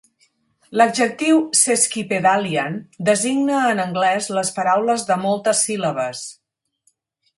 L'adjectiu "sesquipedalian" designa en anglès les paraules de moltes síl·labes.